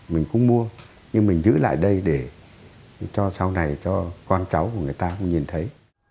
mình cũng mua nhưng mình giữ lại đây để cho sau này cho con cháu của người ta không nhìn thấy